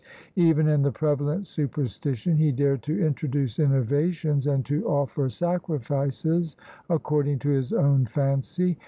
Even in the prevalent superstition he dared to introduce innovations and to offer sacrifices according to his own fancy.